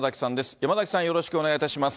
山崎さん、よろしくお願いいたします。